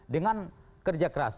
dan kerja keras